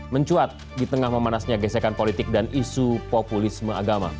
mencuat di tengah memanasnya gesekan politik dan isu populisme agama